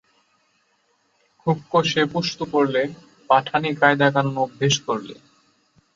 খুব কষে পুশতু পড়লে, পাঠানি কায়দাকানুন অভ্যেস করলে।